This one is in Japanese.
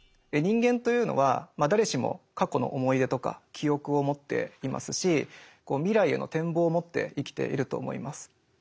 人間というのは誰しも過去の思い出とか記憶を持っていますし未来への展望を持って生きていると思います。